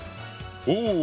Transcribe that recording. お！